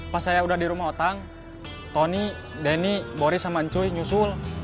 pas saya udah di rumah otak tony denny boris saman cuy nyusul